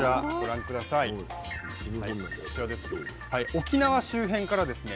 沖縄周辺からですね